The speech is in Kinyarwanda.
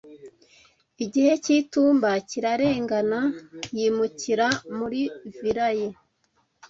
igihe cy'itumba kirarengana yimukira muri villa ye